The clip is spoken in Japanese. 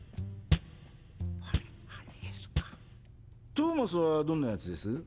トーマスはどんな奴です？